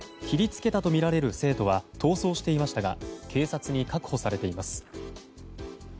切り付けたとみられる生徒は逃走していましたが警察に確保されています。